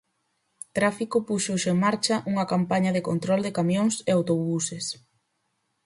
Tráfico puxo hoxe en marcha unha campaña de control de camións e autobuses.